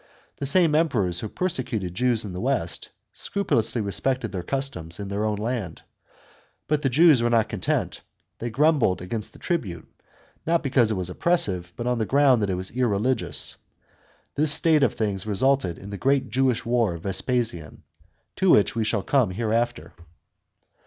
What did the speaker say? The same Emperors who persecuted Jews in the west, scrupulously respected their customs in their own land. But the Jews were not content; they grumbled against the tribute, not because it was oppressive, but on the ground that it was irreligious. This state of things resulted in the great Jewish war of Vespasian, to which we shall come hereafter.